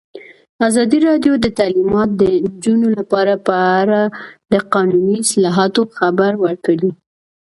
ازادي راډیو د تعلیمات د نجونو لپاره په اړه د قانوني اصلاحاتو خبر ورکړی.